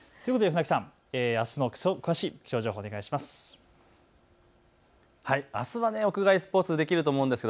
船木さん、あすの詳しい気象情報、お願いします。